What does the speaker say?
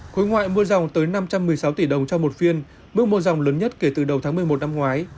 khối ngoại mua dòng tới năm trăm một mươi sáu tỷ đồng cho một phiên mức mua dòng lớn nhất kể từ đầu tháng một mươi một năm ngoái